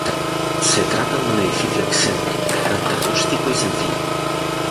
Se trata de un edificio exento, de carácter rústico y sencillo.